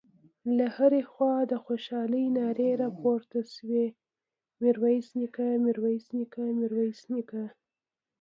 له هرې خوا د خوشالۍ نارې راپورته شوې: ميرويس نيکه، ميرويس نيکه، ميرويس نيکه….